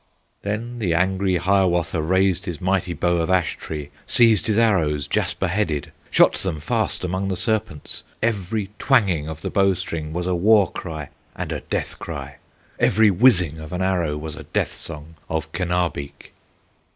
Then the angry Hiawatha Raised his mighty bow of ash tree, Seized his arrows, jasper headed, Shot them fast among the serpents; Every twanging of the bow string Was a war cry and a death cry, Every whizzing of an arrow Was a death song of Kenabeek.